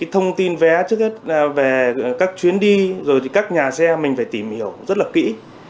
thông tin vé trước hết về các chuyến đi các nhà xe mình phải tìm hiểu rất là kỹ